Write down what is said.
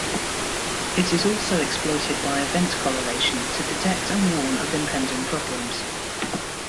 It is also exploited by event correlation to detect and warn of impending problems.